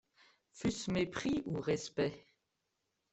Fut-ce mépris ou respect?